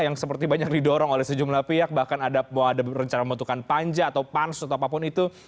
yang seperti banyak didorong oleh sejumlah pihak bahkan ada rencana membutuhkan panja atau pansus atau apapun itu